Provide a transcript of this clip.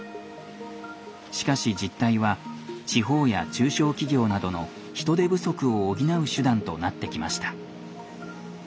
しかし実態は地方や中小企業などの人手不足を補う手段となってきました。